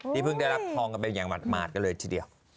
เพิ่งได้รับทองกันไปอย่างหมาดกันเลยทีเดียว